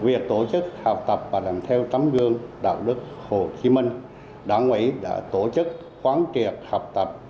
việc tổ chức học tập và làm theo tấm gương đạo đức hồ ký minh đảng quỹ đã tổ chức khoáng triệt học tập